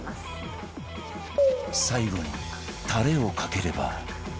最後にタレをかければ